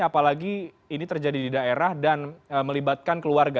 apalagi ini terjadi di daerah dan melibatkan keluarga